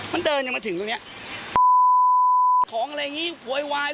มันเดินจนมาถึงตรงเนี้ยของอะไรอย่างงี้โวยวายลูกค้าเรียกไทยมันอย่างงี้